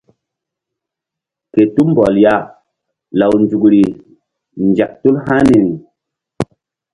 Ke tumbɔl ya law nzukri nzek tul haniri.